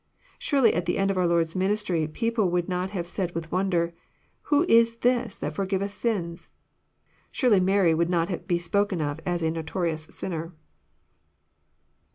Surely at the end of our Lords ministry, people would not have said with wonder, Who is this that for giveth sins? " Surely Mary woald not be spoken of as a noto rious " sinner."